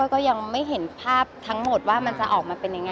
ก็ยังไม่เห็นภาพทั้งหมดว่ามันจะออกมาเป็นยังไง